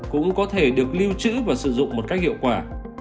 cũng có thể được lưu trữ và sử dụng một cách hiệu quả